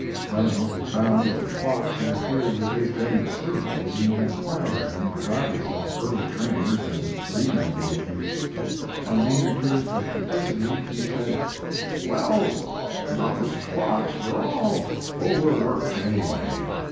Clemens had found that the clocks interfered with his getting to sleep, and he had quieted them regardless of early trains and reading engagements. On being accused of duplicity he said: "Well, those clocks were all overworked, anyway.